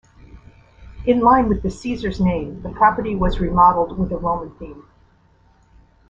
In line with the Caesars name, the property was remodeled with a Roman theme.